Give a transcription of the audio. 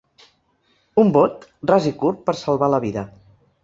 Un vot, ras i curt, per salvar la vida.